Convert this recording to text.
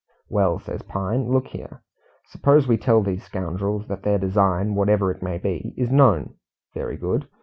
"Well," says Pine, "look here. Suppose we tell these scoundrels that their design, whatever it may be, is known. Very good.